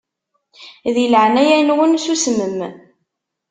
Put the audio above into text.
Di leɛnaya-nwen susmem.